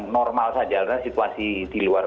normal saja adalah situasi di luar